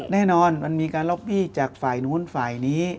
แน่นอนมันมีการล็อบบี้จากฝ่ายนู้นฝ่ายนี้